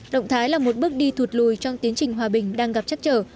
động thái là một bước đi thụt lùi trong tiến trình hòa bình đang gặp chắc trở